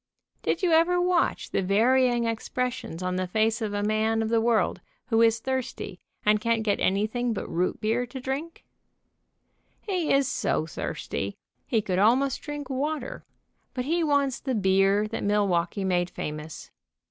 Did you ever watch The nectar of the gods. the varying expressions on the face of a man of the world who is thirsty and can't get anything but root beer to drink? He is so thirsty he could almost drink water, but he wants the beer that Milwaukee made famous.